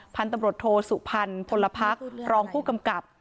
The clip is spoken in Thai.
พันธุ์ตำรวจโทสุพรรณพลพักรองผู้กำกับ